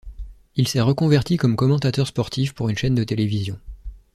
Il s'est reconverti comme commentateur sportif pour une chaîne de télévision.